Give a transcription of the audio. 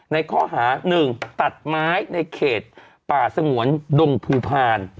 ในข้อหา๑ตัดไม้ในเขตป่าสงวนดงภูพาล